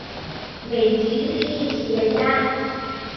美籍日裔企业家。